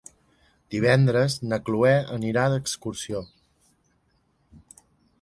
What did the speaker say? Divendres na Cloè anirà d'excursió.